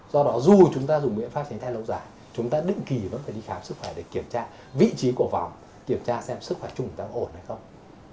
do đó dù chúng ta dùng biện pháp tránh thai lâu dài chúng ta định kỳ vẫn phải đi khám sức khỏe để kiểm tra vị trí của vòng kiểm tra xem sức khỏe chúng ta ổn hay không